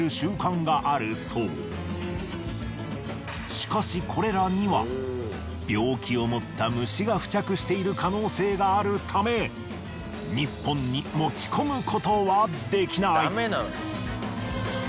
しかしこれらには病気を持った虫が付着している可能性があるため日本に持ち込むことはできない。